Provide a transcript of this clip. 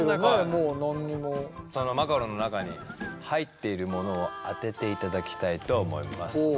そのマカロンの中に入っているものを当てていただきたいと思います。